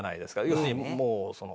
要するにもうその。